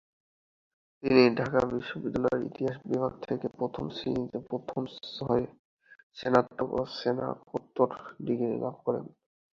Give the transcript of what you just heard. তিনি ঢাকা বিশ্ববিদ্যালয়ের ইতিহাস বিভাগ থেকে প্রথম শ্রেণীতে প্রথম হয়ে স্নাতক ও স্নাতকোত্তর ডিগ্রি লাভ করেন।